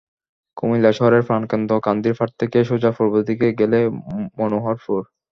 কুমিল্লা শহরের প্রাণকেন্দ্র কান্দিরপাড় থেকে সোজা পূর্ব দিকে গেলে মনোহরপুর।